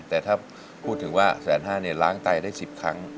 แต่ถ้าพูดถึงว่าแสนห้าเนี่ยล้างไตได้๑๐ครั้ง